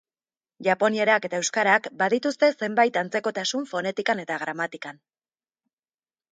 Japonierak eta euskarak badituzte zenbait antzekotasun fonetikan eta gramatikan.